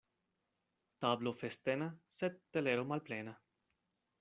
Tablo festena, sed telero malplena.